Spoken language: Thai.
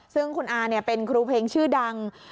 ซึ่งคุณอาเป็นครูเพลงชื่อดัง